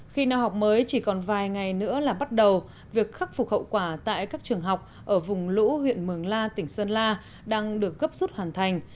khi năm học mới chỉ còn vài ngày nữa là bắt đầu việc khắc phục hậu quả tại các trường học ở vùng lũ huyện mường la tỉnh sơn la đang được gấp rút hoàn thành